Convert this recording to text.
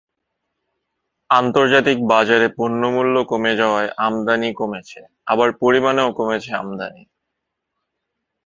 আন্তর্জাতিক বাজারে পণ্যমূল্য কমে যাওয়ায় আমদানি কমেছে, আবার পরিমাণেও কমেছে আমদানি।